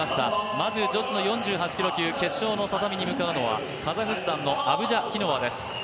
まず女子の４８キロ級、決勝の畳に向かうのはカザフスタンのアブジャキノワです。